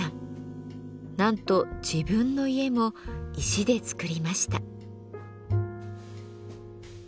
なんと自分の家も石で造りました。